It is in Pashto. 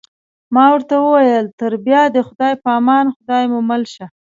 ما ورته وویل: تر بیا د خدای په امان، خدای مو مل شه.